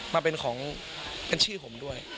มาเป็นของเป็นชื่อผมด้วย